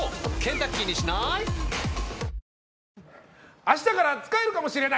明日から使えるかもしれない！？